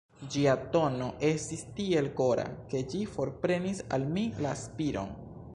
Ĝia tono estis tiel kora, ke ĝi forprenis al mi la spiron.